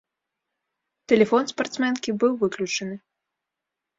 Тэлефон спартсменкі быў выключаны.